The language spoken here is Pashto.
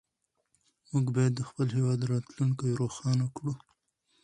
موږ باید د خپل هېواد راتلونکې روښانه کړو.